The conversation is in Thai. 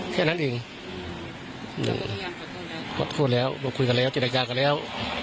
แค่นั้นเองขอโทษแล้วเราคุยกันแล้วเจรจากันแล้ว